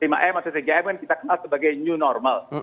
lima m atau tiga m yang kita kenal sebagai new normal